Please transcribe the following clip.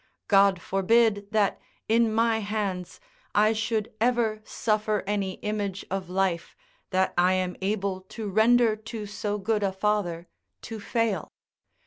God forbid that in my hands I should ever suffer any image of life, that I am able to render to so good a father, to fail.